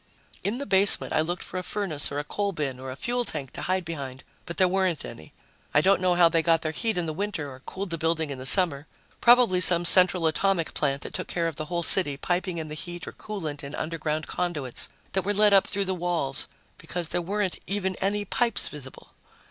In the basement, I looked for a furnace or a coal bin or a fuel tank to hide behind, but there weren't any. I don't know how they got their heat in the winter or cooled the building in the summer. Probably some central atomic plant that took care of the whole city, piping in the heat or coolant in underground conduits that were led up through the walls, because there weren't even any pipes visible.